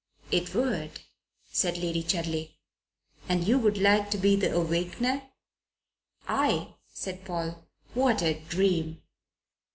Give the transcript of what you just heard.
"It would," said Lady Chudley. "And you would like to be the awakener?" "Ay!" said Paul "what a dream!"